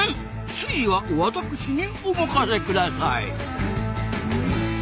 推理は私にお任せください。